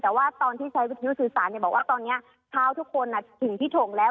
แต่ว่าตอนที่ใช้วิทยุสื่อสารบอกว่าตอนนี้เท้าทุกคนถึงที่ถงแล้ว